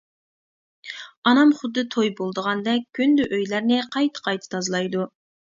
ئانام خۇددى توي بولىدىغاندەك كۈندە ئۆيلەرنى قايتا-قايتا تازىلايدۇ.